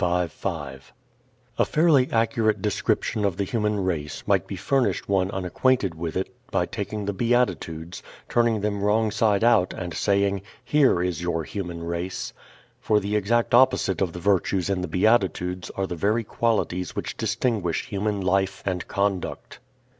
5:5 A fairly accurate description of the human race might be furnished one unacquainted with it by taking the Beatitudes, turning them wrong side out and saying, "Here is your human race." For the exact opposite of the virtues in the Beatitudes are the very qualities which distinguish human life and conduct.